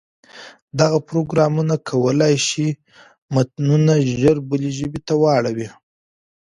دغه پروګرامونه کولای شي متنونه ژر بلې ژبې ته واړوي.